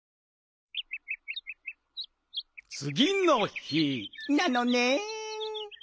つぎの日なのねん。